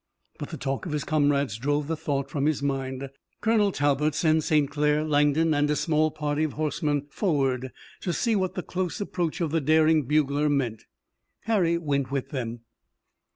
But the talk of his comrades drove the thought from his mind. Colonel Talbot sent St. Clair, Langdon and a small party of horsemen forward to see what the close approach of the daring bugler meant. Harry went with them.